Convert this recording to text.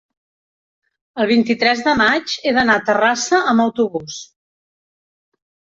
el vint-i-tres de maig he d'anar a Terrassa amb autobús.